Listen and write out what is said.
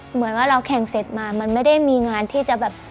เหมือนว่าเราแข่งเสร็จมามันไม่ได้มีงานที่จะแบบ